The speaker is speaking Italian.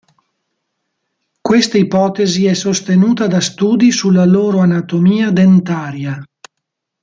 Questa ipotesi è sostenuta da studi sulla loro anatomia dentaria.